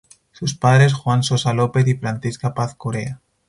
Sus padres: Juan Sosa López y Francisca Paz Corea.